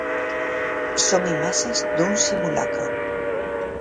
Son imaxes dun simulacro.